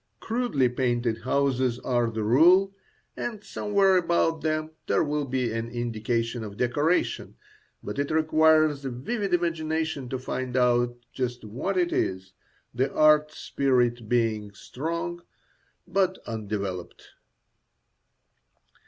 Crudely painted houses are the rule, and somewhere about them there will be an indication of decoration, but it requires a vivid imagination to find out just what it is, the art spirit being strong but undeveloped.